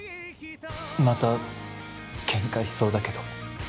また喧嘩しそうだけど。